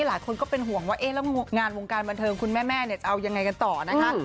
หลายคนก็เป็นห่วงว่างานวงการบันเทิงคุณแม่จะเอายังไงกันต่อนะคะ